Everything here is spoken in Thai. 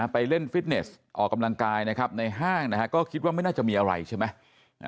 ไปเล่นฟิตเนสออกกำลังกายนะครับในห้างนะฮะก็คิดว่าไม่น่าจะมีอะไรใช่ไหม